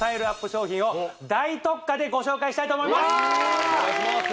商品を大特価でご紹介したいと思いますわっ！